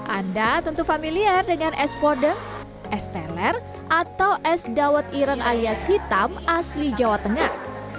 anda tentu familiar dengan es podeng es teler atau es dawet ireng alias hitam asli jawa tengah